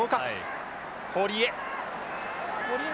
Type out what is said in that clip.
堀江。